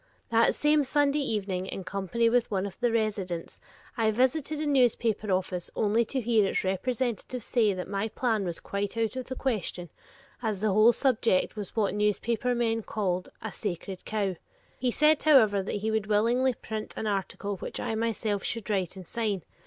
That same Sunday evening, in company with one of the residents, I visited a newspaper office only to hear its representative say that my plan was quite out of the question, as the whole subject was what newspaper men called "a sacred cow." He said, however, that he would willingly print an article which I myself should write and sign.